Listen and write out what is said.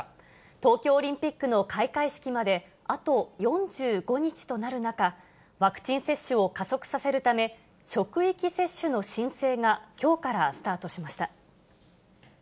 東京オリンピックの開会式まであと４５日となる中、ワクチン接種を加速させるため、職域接種の申請がきょうからスタートしました。